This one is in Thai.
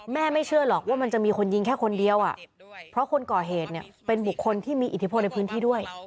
ไม่เชื่อหรอกว่ามันจะมีคนยิงแค่คนเดียวเพราะคนก่อเหตุเนี่ยเป็นบุคคลที่มีอิทธิพลในพื้นที่ด้วย